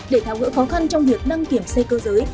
để thảo ngỡ khó khăn trong việc đăng kiểm xe cơ giới